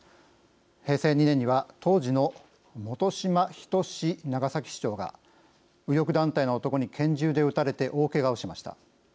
平成２年には当時の本島等長崎市長が右翼団体の男に拳銃で撃たれて大けがをしました。